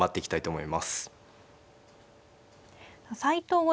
はい。